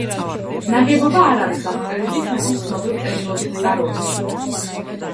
ნაგებობა არ არის აღწერილი ჩვენთვის ცნობილ წერილობით წყაროებში.